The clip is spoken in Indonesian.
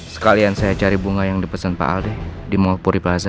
sekalian saya cari bunga yang dipesan pak aldi di mal puri plaza